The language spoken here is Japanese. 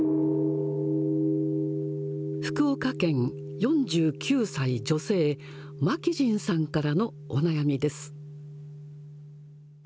福岡県、４９歳女性、まきじんさんからのお悩みです。